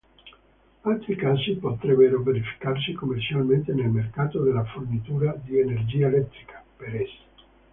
Altri casi potrebbero verificarsi commercialmente nel mercato della fornitura di energia elettrica, per es.